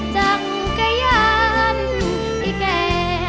จังกะยันทร์ที่แก่